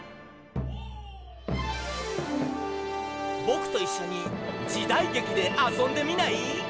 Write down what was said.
ぼくといっしょにじだいげきであそんでみない？